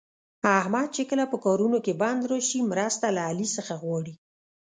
احمد چې کله په کارونو کې بند راشي، مرسته له علي څخه غواړي.